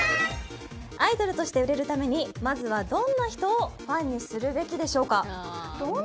アイドルとして売れるためにまずはどんな人をファンにするべきでしょうか？